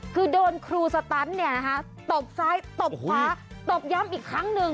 คือโดนครูสตันตบซ้ายตบขวาตบย้ำอีกครั้งหนึ่ง